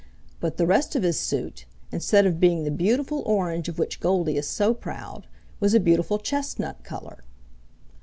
But the rest of his suit, instead of being the beautiful orange of which Goldy is so proud, was a beautiful chestnut color.